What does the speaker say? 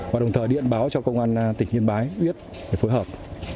và đồng thời điện báo cho công an tỉnh hiên bái uyết để phối hợp